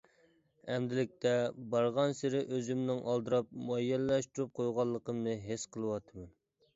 ئەمدىلىكتە بارغانسېرى ئۆزۈمنىڭ ئالدىراپ مۇئەييەنلەشتۈرۈپ قويغانلىقىمنى ھېس قىلىۋاتىمەن.